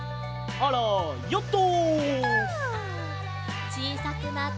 あらヨット！